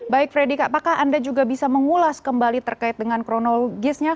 baik freddy apakah anda juga bisa mengulas kembali terkait dengan kronologisnya